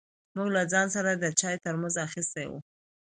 موږ له ځان سره د چای ترموز اخيستی و.